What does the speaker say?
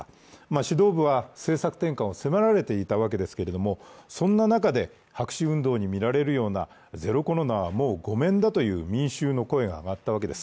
指導部は政策転換を迫られていたわけですけれども、そんな中で白紙運動にみられるような、ゼロコロナはもうごめんだという民衆の声が上がったわけです。